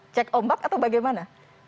cek ombak atau bagaimana